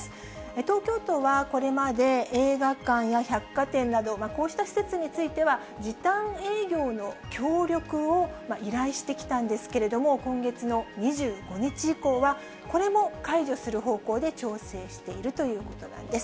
東京都はこれまで、映画館や百貨店など、こうした施設については、時短営業の協力を依頼してきたんですけれども、今月の２５日以降は、これも解除する方向で調整しているということなんです。